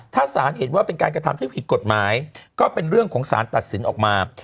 ถ้าสารเห็นว่าเป็นการกระทำที่ผิดกฎหมายก็เป็นเรื่องของสารตัดสินออกมา